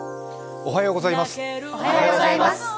おはようございます。